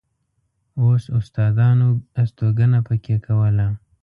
اوس استادانو استوګنه په کې کوله.